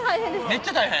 めっちゃ大変？